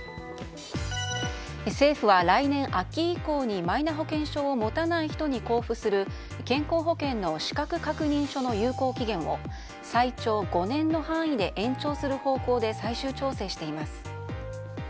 政府は来年秋以降にマイナ保険証を持たない人に交付する健康保険の資格確認書の有効期限を最長５年の範囲で延長する方向で最終調整しています。